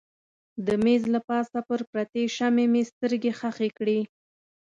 د مېز له پاسه پر پرتې شمعې مې سترګې ښخې کړې.